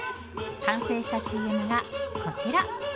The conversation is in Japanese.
完成したＣＭがこちら！